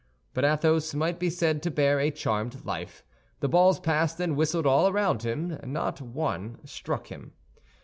But Athos might be said to bear a charmed life. The balls passed and whistled all around him; not one struck him.